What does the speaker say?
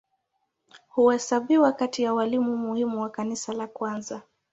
Huhesabiwa kati ya walimu muhimu wa Kanisa la kwanza.